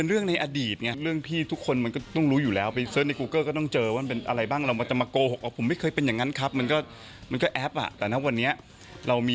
อืมโอเคพี่หนุ่มว่าไง